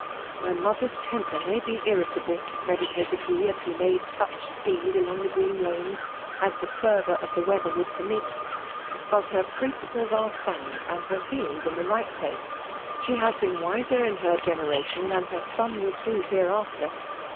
" My mother's temper may be irritable/* meditated he^ as he made such speed aUmg the green laaos as the fioroar of the weather would per^ mit ;'« bat her principles are sound, and her feielings in the right plaea She has been wiser in her generation than her son will prove hereafter.